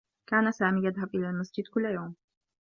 كان سامي يذهب إلى المسجد كلّ يوم.